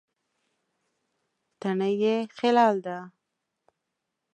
تڼۍ یې خلال ده.